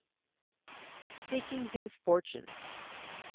SEEKING HIS FORTUNE.